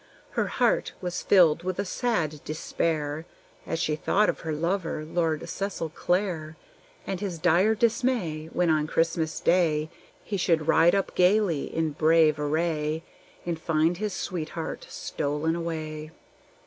Her heart was filled with a sad despair As she thought of her lover, Lord Cecil Clare, And his dire dismay When on Christmas day He should ride up gayly in brave array, And find his sweetheart stolen away.